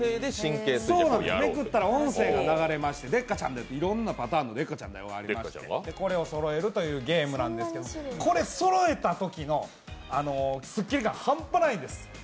めくったら音声が流れまして、「デッカチャンだよ」っていう、いろいろなパターンがありまして、これをそろえるというゲームなんですけれども、これをそろえたときのすっきり感、半端ないんです。